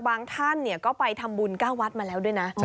ท่านก็ไปทำบุญ๙วัดมาแล้วด้วยนะ